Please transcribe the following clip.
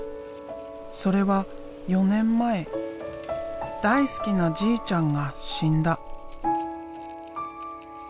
それは４年前大好きなじいちゃんが死んだ。